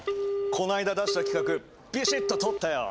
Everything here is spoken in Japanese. この間出した企画ビシッと通ったよ！